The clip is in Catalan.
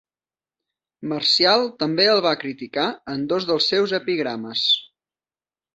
Marcial també el va criticar en dos dels seus epigrames.